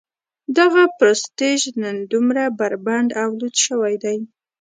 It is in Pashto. دغه پرستیژ نن دومره بربنډ او لوڅ شوی دی.